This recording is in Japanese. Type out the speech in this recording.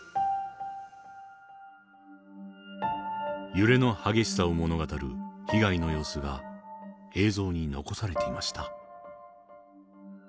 揺れの激しさを物語る被害の様子が映像に残されていました。